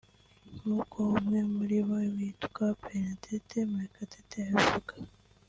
nkuko umwe muri bo witwa Bernadette Murekatete abivuga